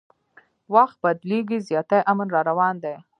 وخت بدلیږي زیاتي امن راروان دی